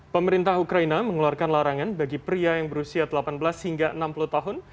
pemerintah ukraina mengeluarkan larangan bagi pria yang berusia delapan belas hingga enam puluh tahun